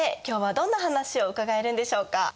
今日はどんな話を伺えるんでしょうか。